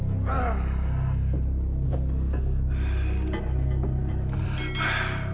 pak h remnya